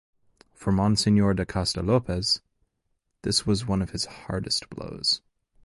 For Monsignor da Costa Lopes this was one of his hardest blows.